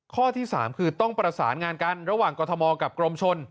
ข้อที่๓คือต้องประสานงานกันระหว่างกรทมกับกรมชน